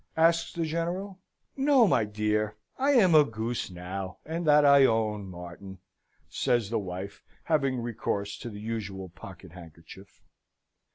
asks the General. "No, my dear! I am a goose, now, and that I own, Martin!" says the wife, having recourse to the usual pocket handkerchief.